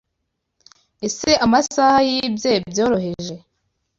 Ese amasaha yibye byoroheje